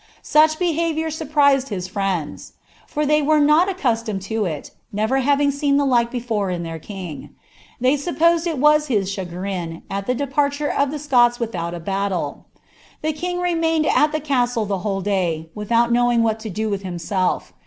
Such behaviour surprised his friends ; for they were not ■ccostomed to it, never having seen the like before in their king. They EapiKised it was his chagrin, at the departure of the Scots without a bkttle. The king remained at the casile the whole day, wittiout knowing wItBt (o do with himself.